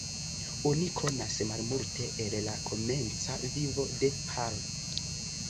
Oni konas malmulte el la komenca vivo de Hall.